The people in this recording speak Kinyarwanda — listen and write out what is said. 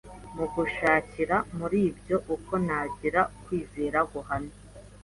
Mu gushakira muri bo uko nagira kwizera guhamye,